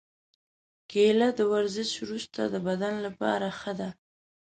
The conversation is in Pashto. کېله د ورزش وروسته د بدن لپاره ښه ده.